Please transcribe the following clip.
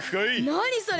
なにそれ！